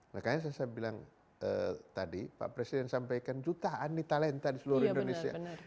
makanya saya bilang tadi pak presiden sampaikan jutaan nih talenta di seluruh indonesia